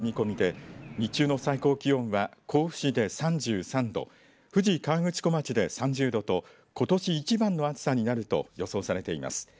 気温はこのあとさらに上がる見込みで日中の最高気温は甲府市で３３度富士河口湖町で３０度とことし一番の暑さになると予想されています。